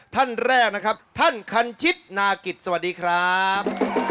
ท่านแรกนะครับท่านคันชิตนากิจสวัสดีครับ